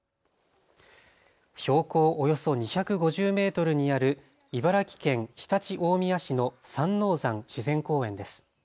標高およそ２５０メートルにある茨城県常陸大宮市の三王山自然公園です。